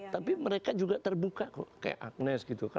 tapi mereka juga terbuka kok kayak agnes gitu kan